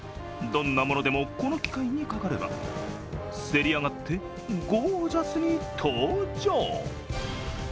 どんなものでも、この機械にかかればせり上がって、ゴージャスに登場。